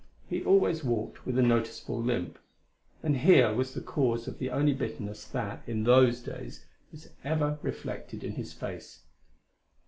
He always walked with a noticeable limp, and here was the cause of the only bitterness that, in those days, was ever reflected in his face.